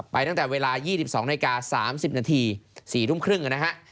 ไปตั้งแต่เวลา๒๒นาที๓๐นาที๔ทุ่มครึ่ง